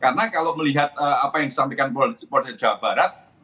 untuk melihat apa yang disampaikan pusat jawa barat